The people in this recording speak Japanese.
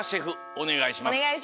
おねがいします。